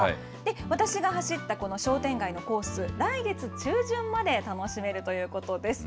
私が走ったこの商店街のコース、来月中旬まで楽しめるということです。